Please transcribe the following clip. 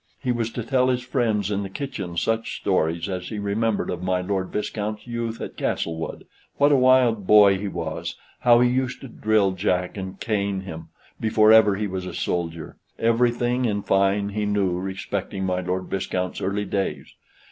He was to tell his friends in the kitchen such stories as he remembered of my Lord Viscount's youth at Castlewood; what a wild boy he was; how he used to drill Jack and cane him, before ever he was a soldier; everything, in fine, he knew respecting my Lord Viscount's early days.